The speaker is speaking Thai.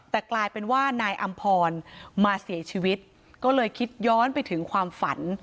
แต่กลายเป็นว่านายอำพรมาเสียชีวิตก็เลยคิดย้อนไปถึงความฝัน